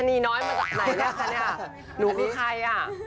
อันนี้เป็นนูครับ